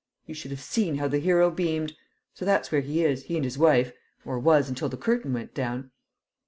You should have seen how the hero beamed! So that's where he is, he and his wife or was, until the curtain went down."